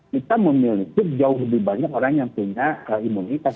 kita memiliki jauh lebih banyak orang yang punya imunitas